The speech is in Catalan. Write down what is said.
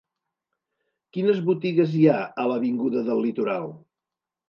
Quines botigues hi ha a l'avinguda del Litoral?